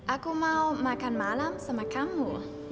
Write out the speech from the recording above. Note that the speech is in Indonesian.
aku mau makan malam sama kamu